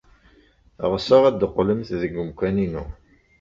Ɣseɣ ad d-teqqlemt deg umkan-inu.